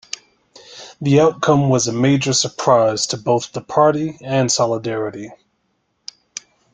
The outcome was a major surprise to both the Party and Solidarity.